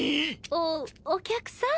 おお客さん。